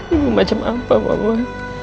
ibu macam apa mama